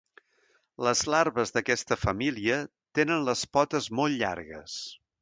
Les larves d'aquesta família tenen les potes molt llargues.